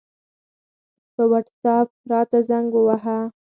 په وټساپ راته زنګ ووهه